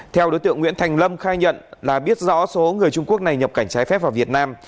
theo đối tượng nguyễn thành lâm khai nhận là biết rõ số người trung quốc này nhập cảnh trái phép vào việt nam